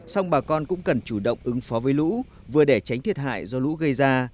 song bà con cũng cần chủ động ứng phó với lũ vừa để tránh thiệt hại do lũ gây ra